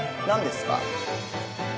何ですか？